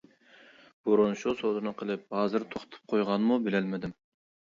بۇرۇن شۇ سودىنى قىلىپ ھازىر توختىتىپ قويغانمۇ بىلەلمىدىم.